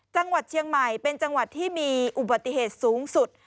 จังหวัดเชียงใหม่เป็นจังหวัดที่มีอุบัติเหตุสูงสุด